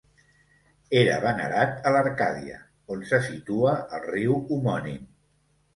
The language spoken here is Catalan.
Era venerat a l'Arcàdia, on se situa el riu homònim.